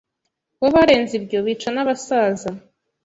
bo barenze ibyo bica nabasaza